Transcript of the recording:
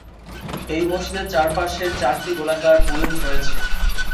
এই মসজিদের চারপাশের চারটি গোলাকার বুরুজ রয়েছে।